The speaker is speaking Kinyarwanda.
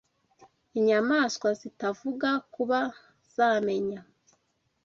inyamaswa zitavuga kuba zamenya